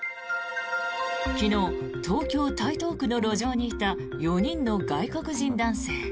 昨日東京・台東区の路上にいた４人の外国人男性。